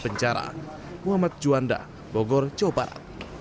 mohd juanda bogor jawa barat